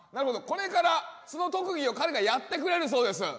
これからその特技を彼がやってくれるそうです。